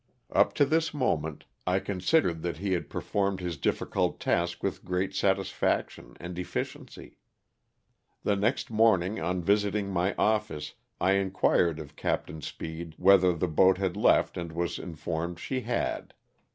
"Up to this moment I considered that he had performed his difficult task with great ^satisfaction and efficiency. "The next morning on visiting my office I inquired of Capt, Speed whether the boat had left and was informed she had.